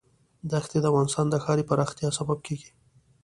دښتې د افغانستان د ښاري پراختیا سبب کېږي.